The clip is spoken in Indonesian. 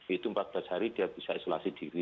itu empat belas hari dia bisa isolasi diri